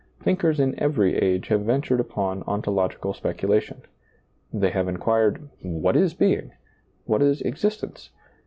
Thinkers in every age have ventured upon onto logical specula tion. They have inquired : What is being ? What is existence